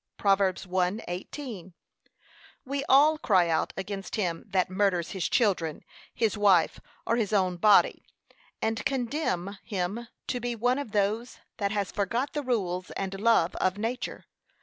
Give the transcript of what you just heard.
(Prov. 1:18) We all cry out against him that murders his children, his wife, or his own body, and condemn him to be one of those that has forgot the rules and love of nature.